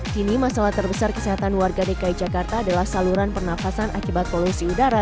kini masalah terbesar kesehatan warga dki jakarta adalah saluran pernafasan akibat polusi udara